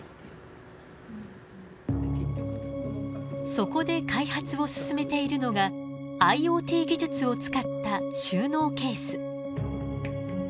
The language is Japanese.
そこで開発を進めているのがＩｏＴ技術を使った収納ケース。